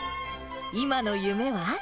今の夢は？